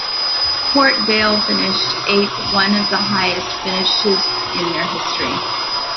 Port Vale finished eighth - one of the highest finishes in their history.